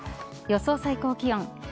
予想最高気温。